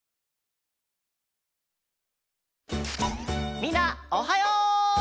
みんなおはよう！